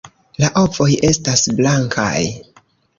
La ovoj estas blankaj.